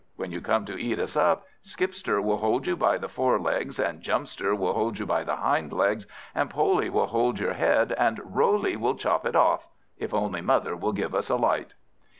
When you come to eat us up, Skipster will hold you by the forelegs, and Jumpster will hold you by the hind legs, and Poley will hold your head, and Roley will chop it off, if only mother will give us a light."